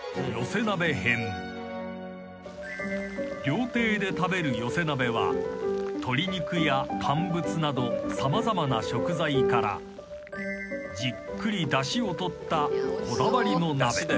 ［料亭で食べる寄せ鍋は鶏肉や乾物など様々な食材からじっくりだしを取ったこだわりの鍋］